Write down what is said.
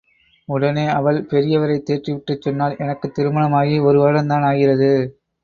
உடனே அவள் பெரியவரைத் தேற்றிவிட்டுச் சொன்னாள், எனக்குத் திருமணமாகி ஒரு வருடந்தான் ஆகிறது.